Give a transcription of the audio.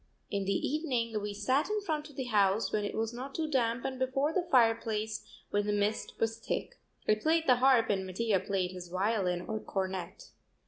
In the evening we sat in front of the house when it was not too damp and before the fireplace when the mist was thick. I played the harp and Mattia played his violin or cornet.